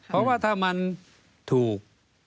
เพราะว่าถ้ามันถูก